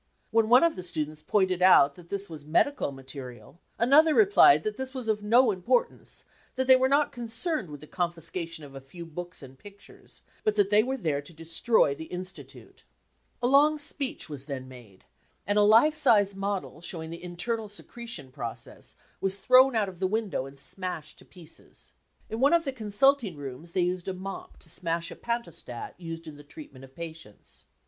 When one of the students pointed out that this was medical material, another replied that this was of no importance, that they were not concerned with the confiscation of a few books and pictures, but that they were there to destroy the Institute. A long* speech was then made, and a life sized model showing the internal secretion process was thrown out of the window and smashed to pieces. In one of the consulting rooms they used a mop to smash a pantostat used in the treatment of patients.